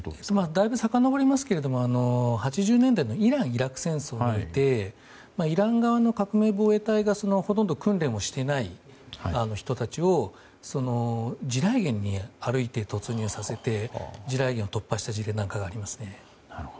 だいぶさかのぼりますけども８０年代のイラン・イラク戦争でイラン側の革命防衛隊がほとんど訓練していない人たちを地雷原に歩いて突入させて地雷原を突破した事などがありますね。